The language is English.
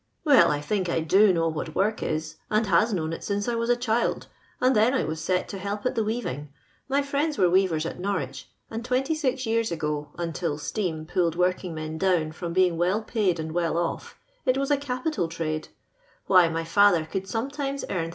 Well, I think I do know what Work is, and has known it since I was a child ; and then I was set to help at the weaving. My friends were weavers at Norwicli, and 20 years a^'o. until steam pulled working men do\%iiVrom I'ein;,' Well paid and well off, it was a capiud irml\ wViy, my father c'»uld sometimes earn Hi.